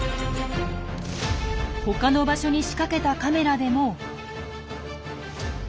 ほかの場所に仕掛けたカメラでも。